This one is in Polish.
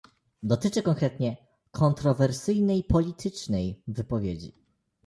Dotyczy konkretnie "kontrowersyjnej politycznej" wypowiedzi